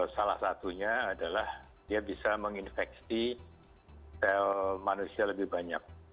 salah satunya adalah dia bisa menginfeksi sel manusia lebih banyak